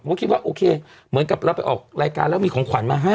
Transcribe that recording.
ก็คิดว่าโอเคเหมือนกับเราไปออกรายการแล้วมีของขวัญมาให้